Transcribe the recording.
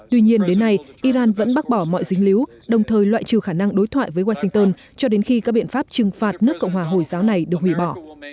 tuy nhiên đến nay iran vẫn bác bỏ mọi dính líu đồng thời loại trừ khả năng đối thoại với washington cho đến khi các biện pháp trừng phạt nước cộng hòa hồi giáo này được hủy bỏ